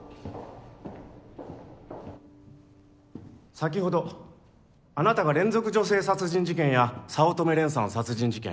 先ほどあなたが連続女性殺人事件や早乙女蓮さん殺人事件